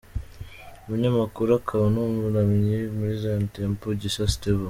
Umunyamakuru akaba n’ umuramyi muri Zion Temple, Gisa Stevo.